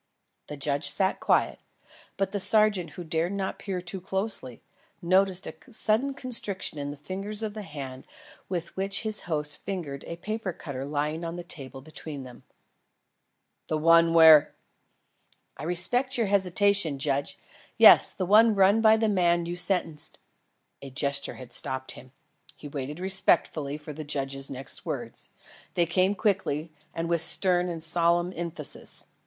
The judge sat quiet, but the sergeant who dared not peer too closely, noticed a sudden constriction in the fingers of the hand with which his host fingered a paper cutter lying on the table between them. "The one where " "I respect your hesitation, judge. Yes, the one run by the man you sentenced " A gesture had stopped him. He waited respectfully for the judge's next words. They came quickly and with stern and solemn emphasis.